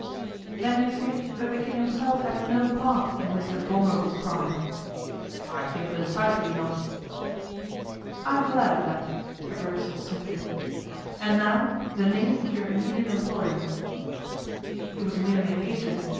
'Then you think that the King himself had no part in this abominable crime?' 'I think decidedly not.' 'I am glad of that,' said Racksole simply. 'And now, the name of your immediate employer.' 'He was merely an agent.